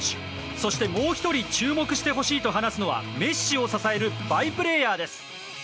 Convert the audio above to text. そして、もう１人注目してほしいと話すのはメッシを支えるバイプレーヤーです。